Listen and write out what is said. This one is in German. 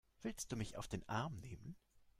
Willst du mich auf den Arm nehmen?